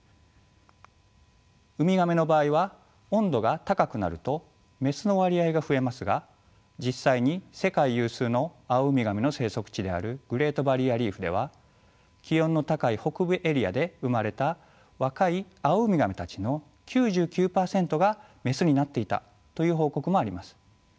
ウミガメの場合は温度が高くなるとメスの割合が増えますが実際に世界有数のアオウミガメの生息地であるグレートバリアリーフでは気温の高い北部エリアで生まれた若いアオウミガメたちの９９％がメスになっていたという報告もあります。